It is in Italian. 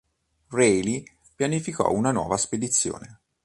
Raleigh pianificò una nuova spedizione.